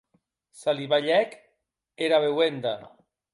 Se li balhèc era beuenda.